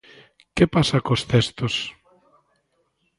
Que pasa cos textos?